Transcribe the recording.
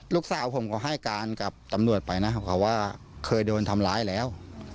ลูกสาวผมก็ให้การกับตำรวจไปนะครับเขาว่าเคยโดนทำร้ายแล้ว